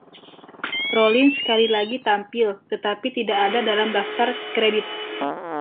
Rollins sekali lagi tampil tetapi tidak ada dalam daftar kredit.